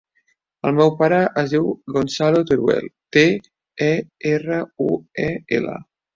El meu pare es diu Gonzalo Teruel: te, e, erra, u, e, ela.